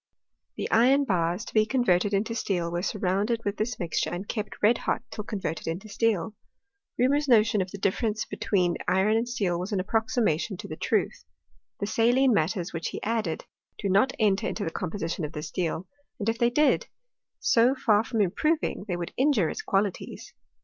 The iron bars to be converted into steel were surround ed with this mixture, and kept red hot till converted into steel. Reaumur's notion of the difference be tween iron and steel was an approximation to the truth. The saline matters which he added do not enter into the composition of steel ; and if they did, so far from improving, they would injure its qualities.